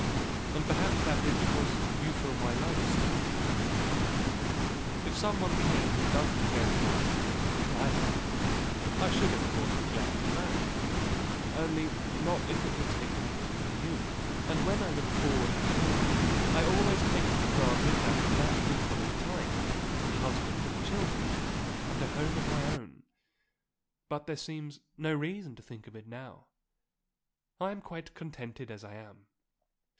"And perhaps that is because you fill my life so, Tante. If someone came who loved me very much and whom I loved, I should of course be glad to marry; only not if it would take me from you; I mean that I should want to be often with you. And when I look forward at all I always take it for granted that that will come in time a husband and children, and a home of my own. But there seems no reason to think of it now. I am quite contented as I am."